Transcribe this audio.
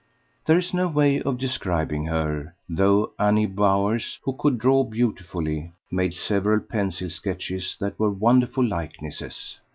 There is no way of describing her; though Annie Bowers, who could draw beautifully, made several pencil sketches that were wonderful likenesses.